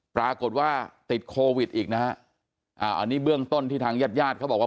ปรากฏว่าติดโควิดอีกนะฮะอ่าอันนี้เบื้องต้นที่ทางญาติญาติเขาบอกว่า